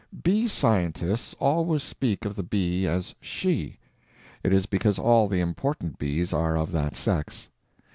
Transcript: Bee scientists always speak of the bee as she. It is because all the important bees are of that sex.